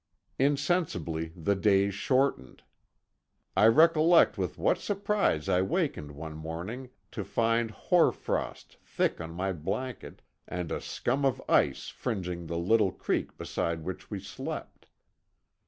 Insensibly the days shortened. I recollect with what surprise I wakened one morning to find hoar frost thick on my blanket, and a scum of ice fringing the little creek beside which we slept.